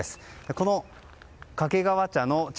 この掛川茶の茶